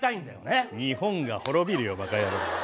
日本が滅びるよバカヤロウ。